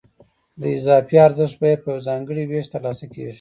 د اضافي ارزښت بیه په یو ځانګړي وېش ترلاسه کېږي